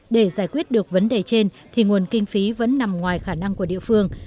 để giải quyết được vấn đề trên thì nguồn kinh phí vẫn nằm ngoài khả năng của địa phương